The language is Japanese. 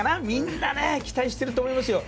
みんなが期待してると思います。